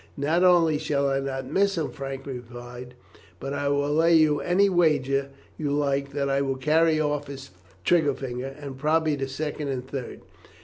"Not only shall I not miss him," Frank replied, "but I will lay you any wager you like that I will carry off his trigger finger, and probably the second and third.